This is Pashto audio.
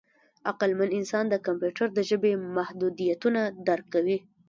عقلمن انسان د کمپیوټر د ژبې محدودیتونه درک کوي.